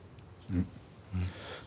うん。